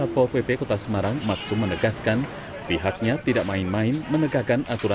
makanya kita buka kalau kandang ini masih berdiri